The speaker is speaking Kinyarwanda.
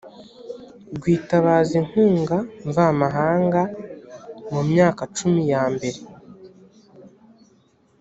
rwitabaza inkunga mvamahanga mu myaka cumi yambere